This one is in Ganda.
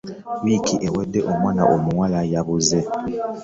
Wiiki ewedde omwana omulala yabuze.